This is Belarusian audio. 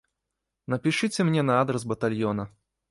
Напішыце мне на адрас батальёна.